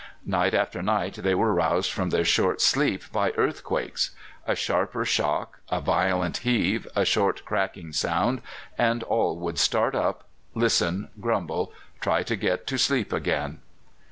Night after night they were roused from their short sleep by earthquakes. A sharper shock, a violent heave, a short cracking sound, and all would start up, listen, grumble, try to get to sleep again.